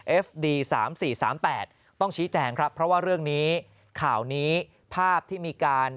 เอฟดี๓๔๓๘ต้องชี้แจงครับเพราะว่าเรื่องนี้ข่าวนี้ภาพที่มีการ